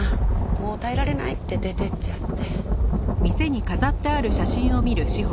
「もう耐えられない」って出て行っちゃって。